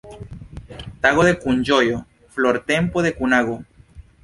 Tago de kunĝojo, flortempo de kunago.